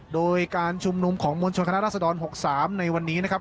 โดยการชุมนุมของมวลชนคณะราษฎร๖๓ในวันนี้นะครับ